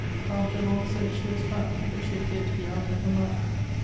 After a long search she was found ; but she appeared to be out of her mind.